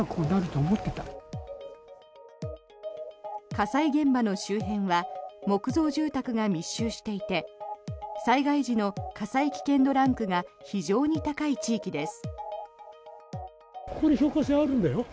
火災現場の周辺は木造住宅が密集していて災害時の火災危険度ランクが非常に高い地域です。